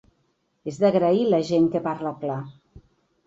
És d’agrair la gent que parla clar.